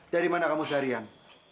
dari mana kamu seharian